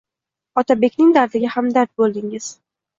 Otabekning dardiga hamdard bo‘ldingiz.